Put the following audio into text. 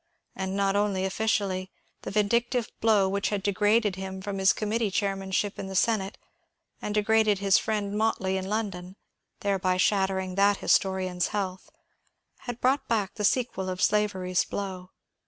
And not only officially ; the vindictive blow which had degraded him from his committee chairmanship in the Senate, and degraded his friend Motley in London, thereby shattering that historian's health, had brought back the se quel of slavery's blow.